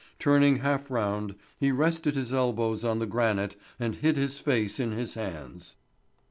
Turning half round, he rested his elbows on the granite and hid his face in his hands.